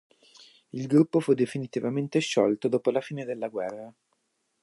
Il gruppo fu definitivamente sciolto dopo la fine della guerra.